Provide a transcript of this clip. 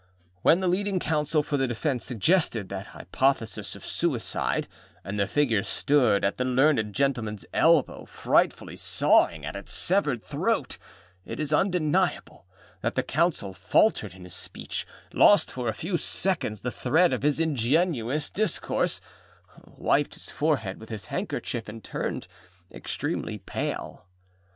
When the leading counsel for the defence suggested that hypothesis of suicide, and the figure stood at the learned gentlemanâs elbow, frightfully sawing at its severed throat, it is undeniable that the counsel faltered in his speech, lost for a few seconds the thread of his ingenious discourse, wiped his forehead with his handkerchief, and turned extremely pale.